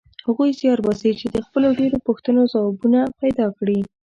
هغوی زیار باسي چې د خپلو ډېرو پوښتنو ځوابونه پیدا کړي.